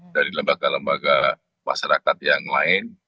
dari lembaga lembaga masyarakat yang lain